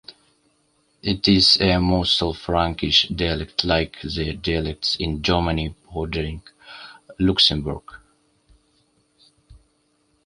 It is a Mosel-Frankish dialect like the dialects in Germany bordering Luxembourg.